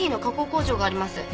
工場があります。